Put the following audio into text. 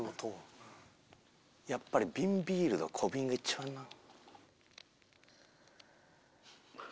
やっぱり瓶ビールは小瓶が一番うまい。